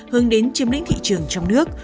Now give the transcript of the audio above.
hương đến chiếm lĩnh thị trường trong nước